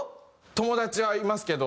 友達はいますけど。